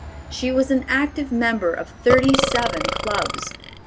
She was an active member of thirty seven clubs.